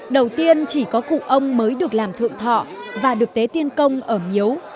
đầu tiên chỉ có cụ ông mới được làm thượng thọ và được tế tiên công ở miếu